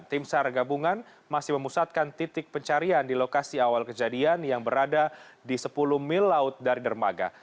tim sar gabungan masih memusatkan titik pencarian di lokasi awal kejadian yang berada di sepuluh mil laut dari dermaga